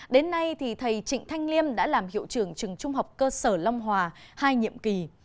đến nay thầy trịnh thanh liêm đã làm hiệu trưởng trường trung học cơ sở long hòa hai nhiệm kỳ